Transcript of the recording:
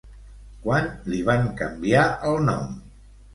Quan li van canviar el nom?